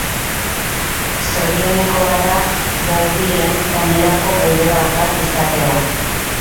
Zorionekoa da Bouvillen honelako bulebar bat izatea.